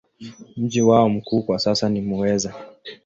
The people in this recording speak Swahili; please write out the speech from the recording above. Mji wao mkuu kwa sasa ni Muheza.